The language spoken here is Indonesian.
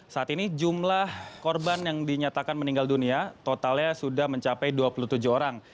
saat ini jumlah korban yang dinyatakan meninggal dunia totalnya sudah mencapai dua puluh tujuh orang